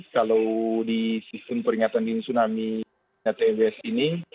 kalau di sistem peringatan dini tsunami netmbs ini